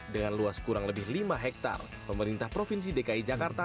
dengan luas kurang lebih lima hektare pemerintah provinsi dki jakarta